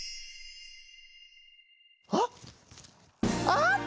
あっ！